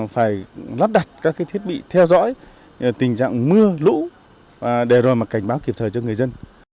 phải lắp đặt các thiết bị theo dõi tình trạng mưa lũ để rồi cảnh báo kịp thời cho người dân